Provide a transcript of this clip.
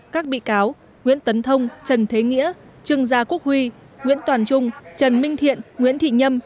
các bị cáo nguyễn tấn thông trần thế nghĩa trương gia quốc huy nguyễn toàn trung trần minh thiện nguyễn thị nhâm